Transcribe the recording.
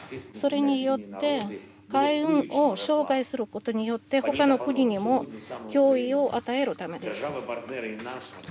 それによって、海運を障害することによって他の国にも脅威を与えるためです。